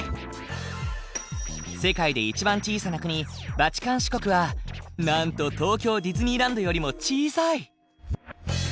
世界で一番小さな国バチカン市国はなんと東京ディズニーランドよりも小さい！